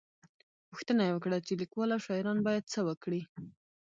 _پوښتنه يې وکړه چې ليکوال او شاعران بايد څه وکړي؟